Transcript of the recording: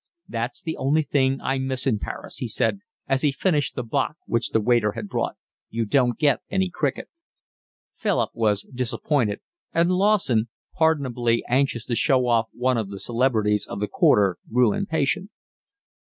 "That's the only thing I miss in Paris," he said, as he finished the bock which the waiter had brought. "You don't get any cricket." Philip was disappointed, and Lawson, pardonably anxious to show off one of the celebrities of the Quarter, grew impatient.